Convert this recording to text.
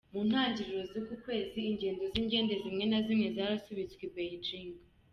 Mu ntangiriro z’uku kwezi ingendo z’indege zimwe na zimwe zarasubitswe i Beijing.